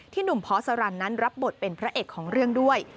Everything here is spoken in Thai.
หนุ่มพอสรรนั้นรับบทเป็นพระเอกของเรื่องด้วย